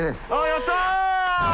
やった！